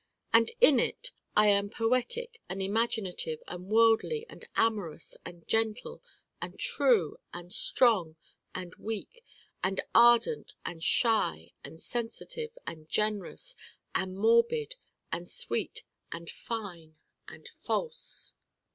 And in it I am poetic and imaginative and worldly and amorous and gentle and true and strong and weak and ardent and shy and sensitive and generous and morbid and sweet and fine and false.